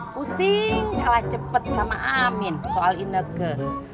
pusing kalah cepet sama amin soal inage